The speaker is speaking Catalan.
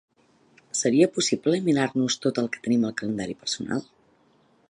Seria possible eliminar-nos tot el que tenim al calendari personal?